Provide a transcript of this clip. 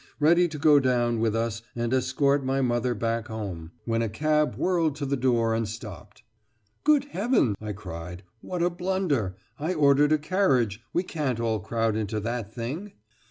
ready to go down with us and escort my mother back home when a cab whirled to the door and stopped. "Good heaven!" I cried, "what a blunder! I ordered a carriage; we can't all crowd into that thing!"